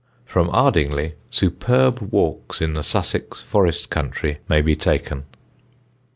From Ardingly superb walks in the Sussex forest country may be taken.